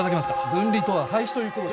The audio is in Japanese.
「分離」とは廃止ということですか？